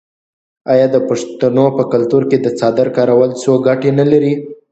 آیا د پښتنو په کلتور کې د څادر کارول څو ګټې نلري؟